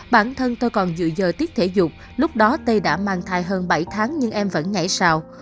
bản thân tôi còn dự dời tiết thể dục lúc đó tây đã mang thai hơn bảy tháng nhưng em vẫn nhảy sào